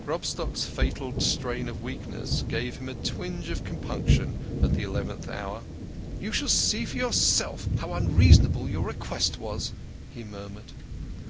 Grobstock's fatal strain of weakness gave him a twinge of compunction at the eleventh hour. "You see for yourself how unreasonable your request was," he murmured.